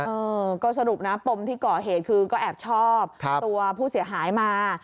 เออก็สรุปนะปมที่ก่อเหตุคือก็แอบชอบตัวผู้เสียหายมา